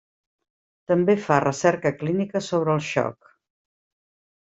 També fa recerca clínica sobre el xoc.